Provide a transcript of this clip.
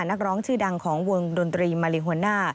นักร้องชื่อดังของวงดนตรีมาริโฮน่า